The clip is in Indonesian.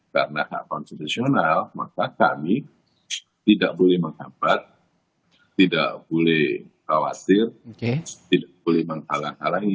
karena hak konstitusional maka kami tidak boleh menghambat tidak boleh khawatir tidak boleh menghalang halangi